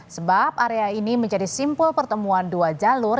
sebab area ini menjadi simpul pertemuan dua jalur